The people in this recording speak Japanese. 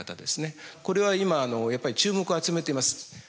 これは今やっぱり注目を集めています。